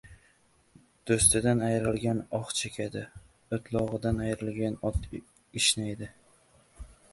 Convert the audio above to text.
• Do‘stidan ayrilgan oh chekadi, o‘tlog‘idan ayrilgan ot ishnaydi.